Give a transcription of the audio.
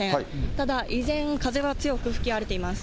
ただ、依然、風は強く吹き荒れています。